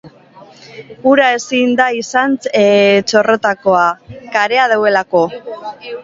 Ura ezin da izan txorrotakoa, karea duelako.